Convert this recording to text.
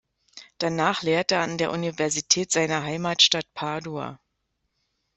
Danach lehrte er an der Universität seiner Heimatstadt Padua.